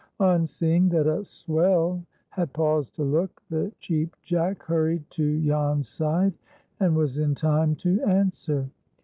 On seeing that a "swell" had paused to look, the Cheap Jack hurried to Jan's side, and was in time to answer.